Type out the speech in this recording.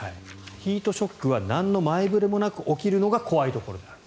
ヒートショックは何の前触れもなく起こるのが怖いところである。